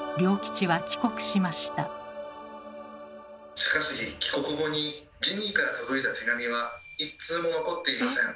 しかし帰国後にジニーから届いた手紙は一通も残っていません。